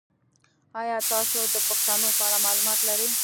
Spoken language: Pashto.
ایا تاسو د پښتنو په اړه معلومات لرئ؟